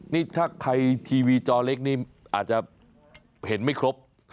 นี่ถ้าใครทีวีจอเล็กนี่อาจจะเห็นไม่ครบ